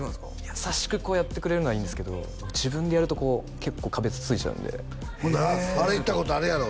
優しくこうやってくれるのはいいんですけどもう自分でやるとこう結構壁つついちゃうんでほんならあれ行ったことあるやろ？